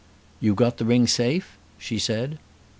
"You got the ring safe?" she said.